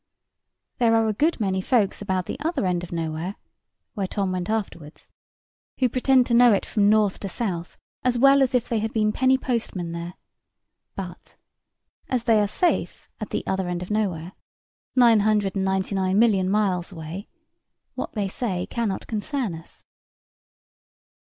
There are a good many folks about the Other end of Nowhere (where Tom went afterwards), who pretend to know it from north to south as well as if they had been penny postmen there; but, as they are safe at the Other end of Nowhere, nine hundred and ninety nine million miles away, what they say cannot concern us.